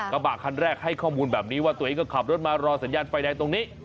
กระบะคันแรกให้ข้อมูลแบบนี้ว่าตัวเองก็ขับรถมารอสัญญาณไฟแดงตรงนี้